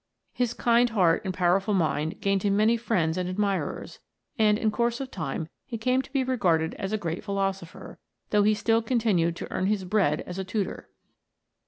His kind heart and powerful mind gained him many friends and admirers, and in course of time A LITTLE BIT. 71 he came to be regarded as a great philosopher, though he still continued to earn his bread as a tutor.